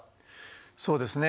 そうですね。